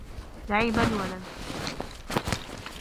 لَعِبَ الْوَلَدُ.